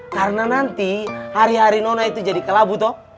karena nanti hari hari nona itu jadi kelabu toh